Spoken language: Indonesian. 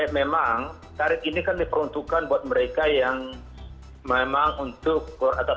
memang tarif ini kan diperuntukkan buat mereka yang memang untuk